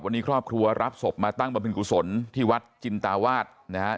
วันนี้ครอบครัวรับศพมาตั้งบำเพ็ญกุศลที่วัดจินตาวาสนะครับ